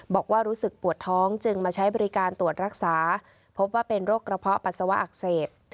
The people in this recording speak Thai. บอกว่ารู้สึกปวดท้องจึงมาใช้บริการตรวจรักษาพบว่าเป็นโรคกระเพาะปัสสาวะอักเสบ